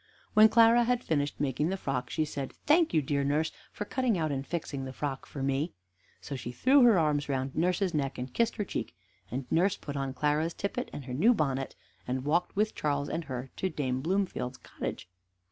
When Clara had finished making the frock, she said: "Thank you, dear nurse, for cutting out and fixing the frock for me." So she threw her arms round nurse's neck, and kissed her cheek; and nurse put on Clara's tippet and her new bonnet, and walked with Charles and her to Dame Bloomfield's cottage.